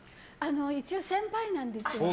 一応、先輩なんです。